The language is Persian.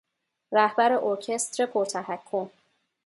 رهبر ارکستر پر تحکم